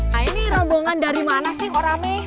nah ini rombongan dari mana sih korame